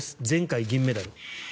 前回、銀メダル。